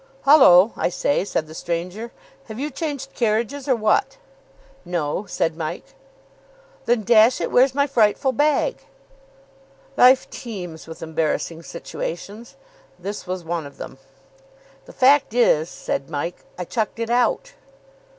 "Hullo, I say," said the stranger. "Have you changed carriages, or what?" "No," said Mike. "Then, dash it, where's my frightful bag?" Life teems with embarrassing situations. This was one of them. "The fact is," said Mike, "I chucked it out."